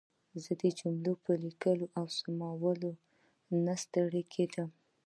زه د جملو په لیکلو او سمولو نه ستړې کېدم.